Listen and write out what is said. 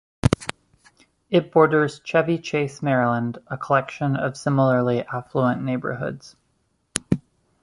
It borders Chevy Chase, Maryland, a collection of similarly affluent neighborhoods.